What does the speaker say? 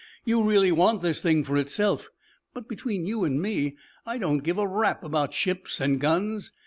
You really want this thing for itself. But, between you and me, I don't give a rap about ships and guns.